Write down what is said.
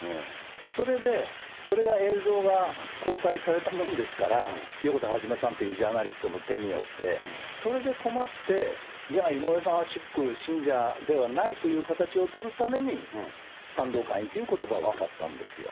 それで、それが映像が公開されたもんですから、よこたはじめさんというジャーナリストの手によって、それで困って、じゃあ、井上さんはシック、信者ではないという形を取るために、賛同会員ということばを使ったんですよ。